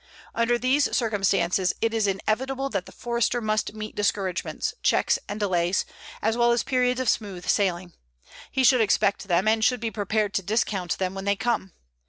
Under these circumstances, it is inevitable that the Forester must meet discouragements, checks, and delays, as well as periods of smooth sailing. He should expect them, and should be prepared to discount them when they come.